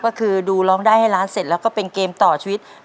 ก็คือดูร้องได้ให้ล้านเสร็จแล้วก็เป็นเกมต่อชีวิต